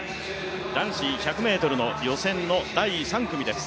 男子１００ｍの予選の第３組です